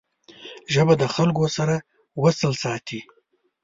ژبه د خلګو سره وصل ساتي